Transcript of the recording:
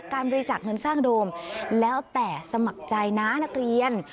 บริจาคเงินสร้างโดมแล้วแต่สมัครใจนะนักเรียน